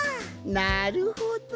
なるほど！